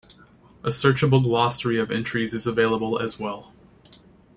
A searchable glossary of entries is available as well.